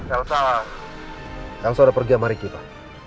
elsa elsa udah pergi sama ricky pak